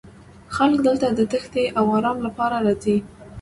خلک دلته د تیښتې او ارام لپاره راځي